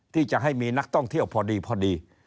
ที่จะให้มีนักท่องเที่ยวพอดี